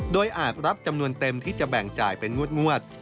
โดยอาจรับจำนวนเต็มที่จะแบ่งจ่ายเป็นงวด